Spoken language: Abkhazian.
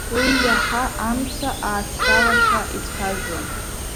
Уи иаҳа амца аацралашәа ицәажәон.